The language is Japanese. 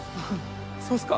そうっすか。